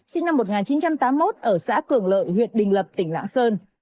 sinh năm một nghìn chín trăm tám mươi một ở xã cường lợi huyện đình lập tỉnh lãng sơn